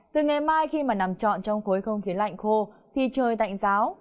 từ ngày mai khi nằm trọn trong khối không khí lạnh khô trời tạnh giáo